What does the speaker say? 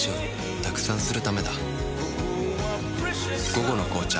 「午後の紅茶」